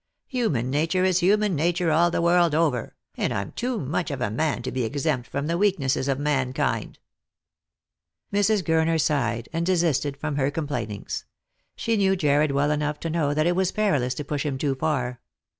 Human nature is human nature all the world over, and I'm too much of a man to be exempt from the weaknesses of mankind." Mrs. Gurner sighed, and desisted from her complainings. She knew Jarred well enough to know that it was perilous to push him too far.